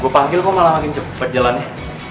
gue panggil kok malah makin cepat jalannya